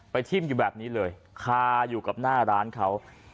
ไปทิ้งอยู่แบบนี้เลยคาอยู่ในน่าร้านเขา